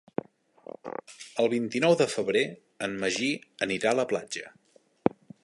El vint-i-nou de febrer en Magí anirà a la platja.